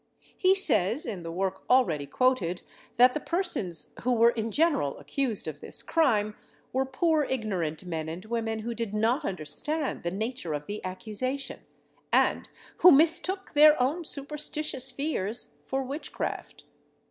He says, in the work already quoted, that the persons who were in general accused of this crime were poor ignorant men and women who did not understand the nature of the accusation, and who mistook their own superstitious fears for witchcraft.